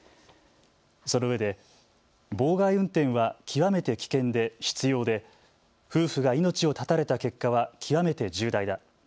そのうえで妨害運転は極めて危険で執ようで夫婦が命を絶たれた結果は極めて重大だ。